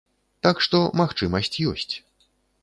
Так што магчымасць ёсць.